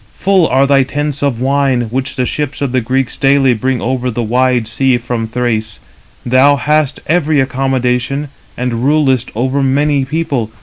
Full are thy tents of wine, which the ships of the Greeks daily bring over the wide sea from Thrace. Thou hast every accommodation, and rulest over many people.